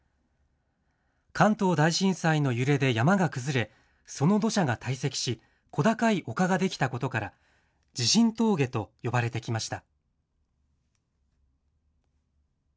関東大震災の揺れで山が崩れその土砂が堆積し小高い丘ができたことから地震峠と呼ばれてきました。